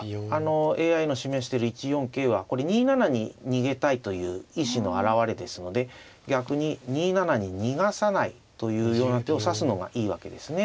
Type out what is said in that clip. ＡＩの示してる１四桂はこれ２七に逃げたいという意思の表れですので逆に２七に逃がさないというような手を指すのがいいわけですね。